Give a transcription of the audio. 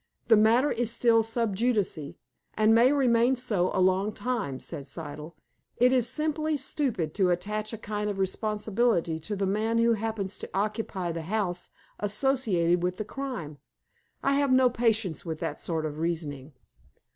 "The matter is still sub judice, and may remain so a long time," said Siddle. "It is simply stupid to attach a kind of responsibility to the man who happens to occupy the house associated with the crime. I have no patience with that sort of reasoning."